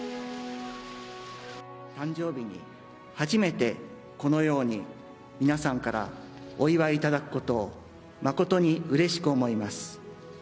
誕生日に初めてこのように皆さんからお祝いいただくことを、誠にうれしく思います。